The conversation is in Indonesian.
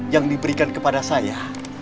yang diberikan kepada saya